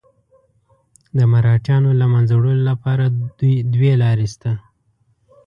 د مرهټیانو له منځه وړلو لپاره دوې لارې شته.